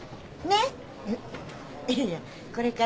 ねっ？